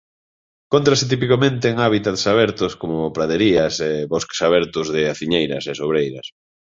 Encóntrase tipicamente en hábitats abertos como praderías e bosques abertos de aciñeiras e sobreiras.